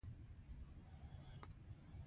غریب خلک غنمو ته اړتیا لري.